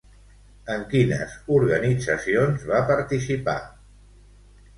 En quines organitzacions va participar?